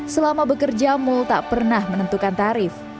selama bekerja mul tak pernah menentukan tarif